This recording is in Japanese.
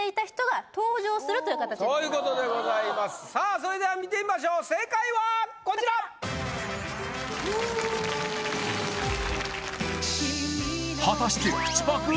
それでは見てみましょう正解はこちら果たして口パク？